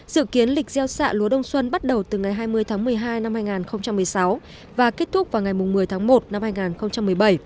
dự kiến lịch gieo xạ lúa đông xuân bắt đầu từ ngày hai mươi tháng một mươi hai năm hai nghìn một mươi sáu và kết thúc vào ngày một mươi tháng một năm hai nghìn một mươi bảy